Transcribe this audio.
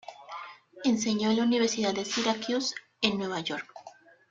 Enseñó en la Universidad de Syracuse, en Nueva York.